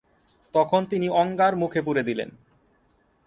তখন তিনি অঙ্গার মুখে পুরে দিলেন।